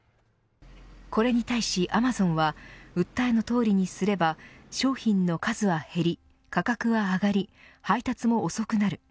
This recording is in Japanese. これに対しアマゾンは訴えのとおりにすれば商品の数は減り、価格は上がり配達も遅くなる。